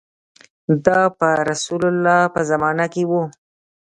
دا په رسول الله په زمانه کې و.